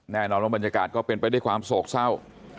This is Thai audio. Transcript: แน่นอนว่าบรรยากาศก็เป็นไปด้วยความโศกเศร้า